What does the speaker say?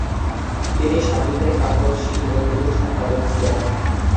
তিনি সাহিত্যের কাগজ ‘শিল্পতরু’র সম্পাদক ছিলেন।